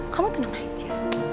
kamu tenang aja